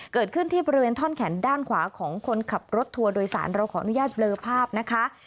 เกิดขึ้นที่บริเวณท่อนแขนด้านขวาของคนขับรถทัวร์โดยสารเราขออนุญาตเบลอภาพนะคะ